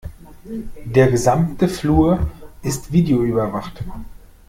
Der gesamte Flur ist videoüberwacht.